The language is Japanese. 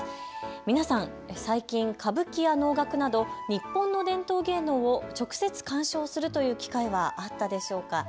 皆さん、最近、歌舞伎や能楽など日本の伝統芸能を直接、鑑賞するという機会はあったでしょうか。